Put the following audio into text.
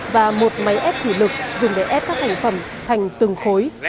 và một máy ép thủy lực dùng để ép các thành phẩm thành từng khối